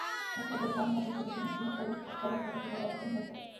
একপর্যায়ে পাওনা টাকার শোকে তিনি চিনিকলের প্রধান ফটকের বাইরে অচেতন হয়ে পড়েন।